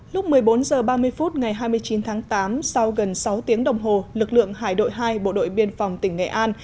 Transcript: lúc một mươi bốn h ba mươi phút ngày hai mươi chín tháng tám sau gần sáu tiếng đồng hồ lực lượng hải đội hai bộ đội biên phòng tỉnh nghệ an